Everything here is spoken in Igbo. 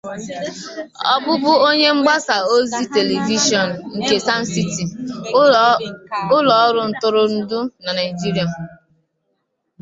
Ọ bụbu onye mgbasa ozi telivishọn nke "Sound City", ụlọ ọrụ ntụrụndụ na Naijiria.